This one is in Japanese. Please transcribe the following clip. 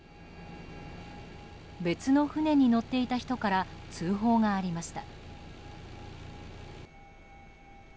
別の船に乗っていた人から通報がありました。